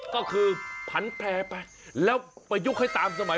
ก็คือผันแพร่ไปแล้วประยุกต์ให้ตามสมัย